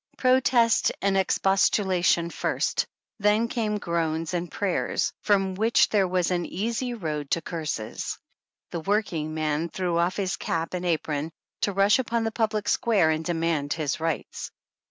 Protest and expostulation first, then came groans and prayers, from which there was an easy road to curses. The working man threw off his cap and apron to rush upon the public square, and demand his rights.